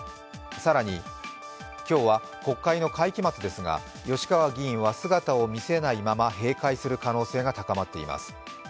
更に今日は国会の会期末ですが、吉川議員は姿を見せないまま、閉会する可能性が高まっています。